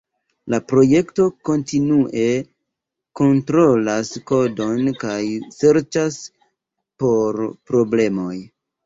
La projekto kontinue kontrolas kodon kaj serĉas por problemoj.